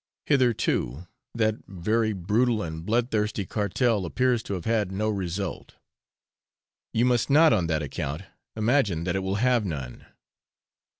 Hitherto that very brutal and bloodthirsty cartel appears to have had no result. You must not on that account imagine that it will have none.